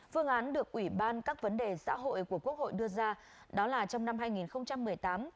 phương án được ủy ban các vấn đề xã hội của quốc hội đưa ra đó là trong năm hai nghìn một mươi tám